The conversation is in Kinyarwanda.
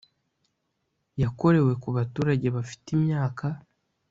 yakorewe ku baturage bafite imyaka